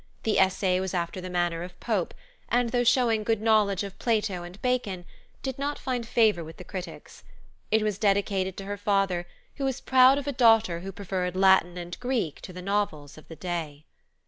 The essay was after the manner of Pope, and though showing good knowledge of Plato and Bacon, did not find favor with the critics. It was dedicated to her father, who was proud of a daughter who preferred Latin and Greek to the novels of the day.